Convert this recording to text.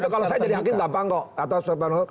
itu kalau saya jadi yakin gampang kok